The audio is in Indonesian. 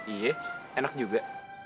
iya enak juga